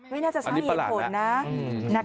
ไม่น่าจะสร้างเย็นผลนะนะคะ